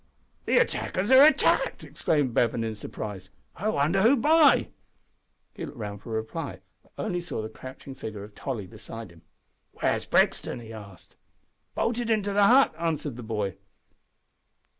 "The attackers are attacked," exclaimed Bevan, in surprise; "I wonder who by." He looked round for a reply, but only saw the crouching figure of Tolly beside him. "Where's Brixton?" he asked. "Bolted into the hut," answered the boy.